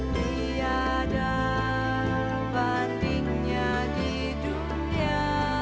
tiada pentingnya di dunia